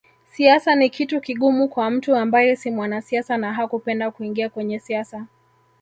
Siasa ni kitu kigumu kwa mtu ambaye si mwanasiasa na hakupenda kuingia kwenye siasa